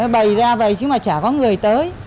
bày ra vậy chứ mà chả có người tới